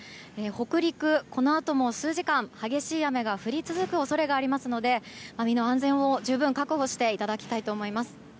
北陸はこのあとも数時間激しい雨が降り続く恐れがありますので身の安全を十分確保していただきたいと思います。